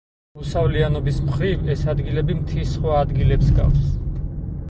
მოსავლიანობის მხრივ ეს ადგილები მთის სხვა ადგილებს ჰგავს.